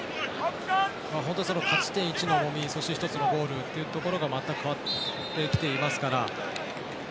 本当に勝ち点１の重みそして、１つのゴールというところが全く変わってきていますから。